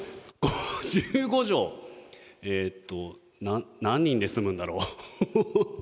えっと何人で住むんだろう。